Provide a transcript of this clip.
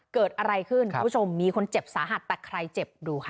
คุณผู้ชมมีคนเจ็บสาหัสแต่ใครเจ็บดูค่ะ